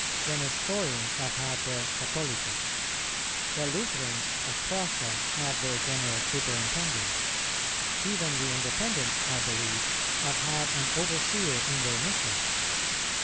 The Nestorians have had their "Catholicus;" the Lutherans of Prussia have their general superintendent; even the Independents, I believe, have had an overseer in their Missions.